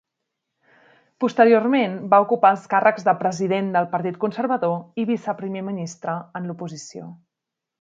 Posteriorment va ocupar els càrrecs de president del Partit Conservador i viceprimer ministre en l'oposició.